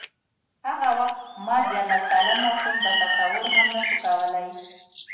هغه وخت ما دیارلس کلن ماشوم دا تصور هم نه شو کولای.